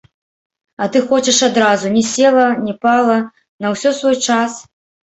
А ты хочаш адразу, ні села, ні пала, на ўсё свой час.